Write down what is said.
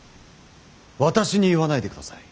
私に言わないでください。